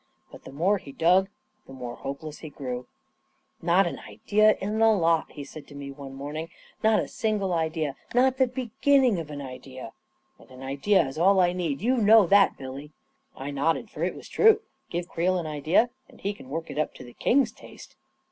But the more he dug, the more hope he grew. II Not an idea in the lot," he said to me one morn ing; "not a single idea — not the beginning of an 6 w A KING IN BABYLON idea ! And an idea is all I need — you know that, Billy." I nodded, for it was true. Give Creel an idea, and he can work it up to the king's taste.